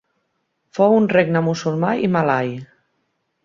Fou un regne musulmà i malai.